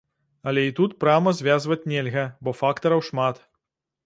Але і тут прама звязваць нельга, бо фактараў шмат.